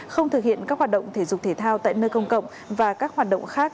không thực hiện các hoạt động thể dục thể thao tại nơi công cộng và các hoạt động khác